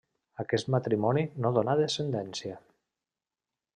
Aquest matrimoni no donà descendència.